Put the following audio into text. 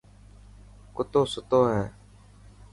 ڪتو ستو هي.